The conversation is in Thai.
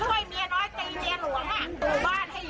หาเลี้ยงด้วยหาเลี้ยงด้วย